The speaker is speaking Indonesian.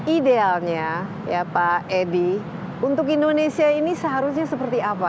idealnya ya pak edi untuk indonesia ini seharusnya seperti apa